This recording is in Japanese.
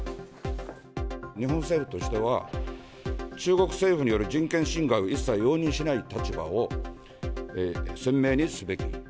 日本政府としては、中国政府による人権侵害を一切容認しない立場を鮮明にすべき。